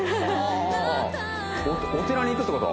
お寺に行くってこと？